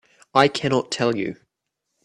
I cannot tell you.